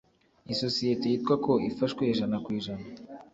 Isosiyete yitwa ko ifashwe ijana ku ijana